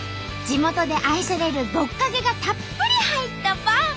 地元で愛されるぼっかけがたっぷり入ったパン！